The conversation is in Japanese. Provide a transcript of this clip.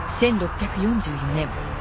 １６４４年。